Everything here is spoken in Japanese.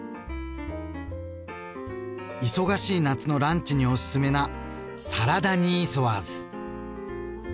忙しい夏のランチにおすすめなサラダニーソワーズ。